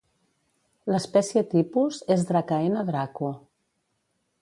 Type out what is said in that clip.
L'espècie tipus és Dracaena Draco.